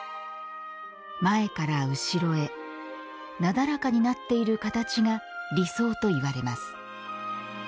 前から後ろへなだらかになっている形が理想といわれます。